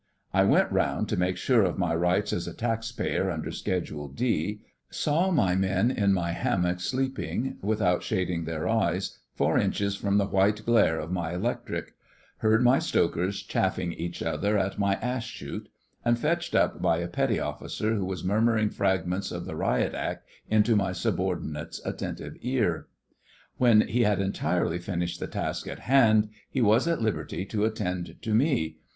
I went round, to make sure of my rights as a taxpayer under Schedule D; saw my men in my hammocks sleeping, without shading their eyes, four inches from the white glare of my electric; heard my stokers chaffing each other at my ash shoot; and fetched up by a petty officer who was murmuring fragments of the Riot Act into my subordinate's attentive ear. When he had entirely finished the task in hand he was at liberty to attend to me.